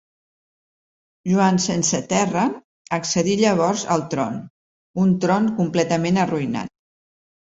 Joan sense Terra accedí llavors al tron, un tron completament arruïnat.